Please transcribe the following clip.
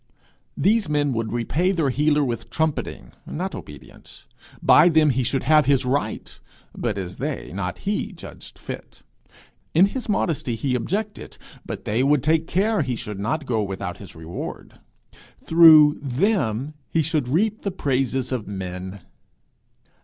These men would repay their healer with trumpeting, not obedience. By them he should have his right but as they not be judged fit! In his modesty he objected, but they would take care he should not go without his reward! Through them he should reap the praises of men!